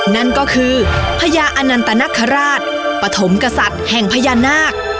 นั่นก็คือพญาอนันตนคราชปฐมกษัตริย์แห่งพญานาค